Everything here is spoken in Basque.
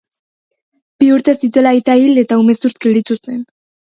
Bi urte zituela aita hil eta umezurtz gelditu zen.